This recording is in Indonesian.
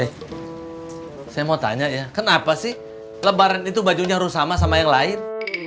saya mau tanya ya kenapa sih lebaran itu bajunya harus sama sama yang lain